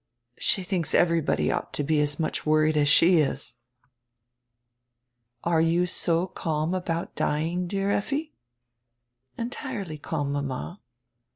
She thinks everybody ought to be as much worried as she is." "Are you so calm about dying, dear Lffi?" "Entirely calm, mama."